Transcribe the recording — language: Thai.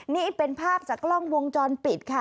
นี่เป็นภาพจากกล้องวงจรปิดค่ะ